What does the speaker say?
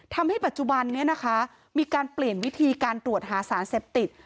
ทำให้ปัจจุบันนี้นะคะมีการเปลี่ยนวิธีการตรวจหาสารเสพติด